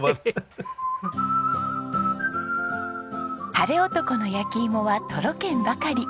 ハレオトコの焼き芋はとろけんばかり。